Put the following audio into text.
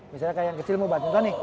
misalnya kakek yang kecil mau badminton nih